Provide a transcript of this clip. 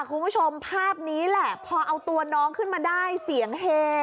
คุณผู้ชมภาพนี้แหละพอเอาตัวน้องขึ้นมาได้เสียงเฮ